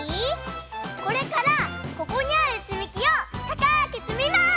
これからここにあるつみきをたかくつみます！